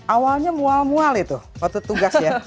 awalnya mual mual itu waktu tugas ya